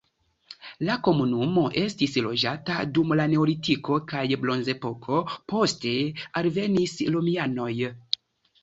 La komunumo estis loĝata dum la neolitiko kaj bronzepoko, poste alvenis romianoj.